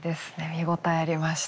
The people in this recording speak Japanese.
見応えありました。